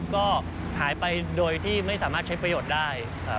ก็หายไปโดยที่ไม่สามารถใช้ประโยชน์ได้